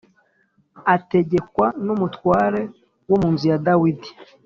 ategekwa n’umutware wo mu nzu ya Dawudi.